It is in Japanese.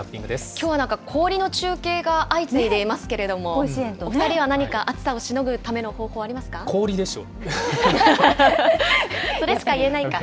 きょうは氷の中継が相次いでいますけれども、お２人は何か暑さをしのぐための方法はありますか？